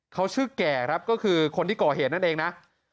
เขาชื่อแก่ครับก็คือคนที่ก่อเหตุนั่นเองนะ